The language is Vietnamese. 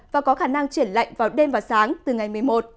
và có khả năng chuyển lạnh vào đêm và sáng từ ngày một mươi một